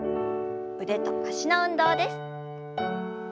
腕と脚の運動です。